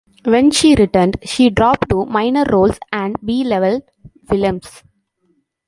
When she returned, she dropped to minor roles and "B"-level films.